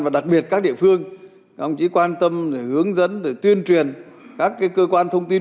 và đặc biệt các địa phương ông chỉ quan tâm hướng dẫn tuyên truyền các cơ quan thông tin